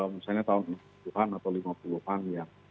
misalnya tahun enam puluh an atau lima puluh an yang